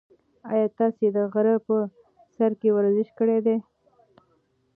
ایا تاسي د غره په سر کې ورزش کړی دی؟